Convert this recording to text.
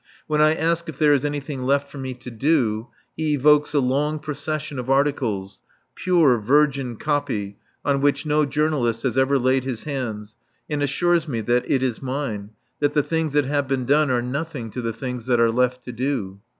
When I ask if there is anything left for me to "do," he evokes a long procession of articles pure, virgin copy on which no journalist has ever laid his hands and assures me that it is mine, that the things that have been done are nothing to the things that are left to do.